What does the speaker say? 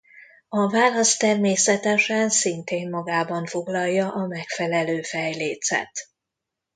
A válasz természetesen szintén magában foglalja a megfelelő fejlécet.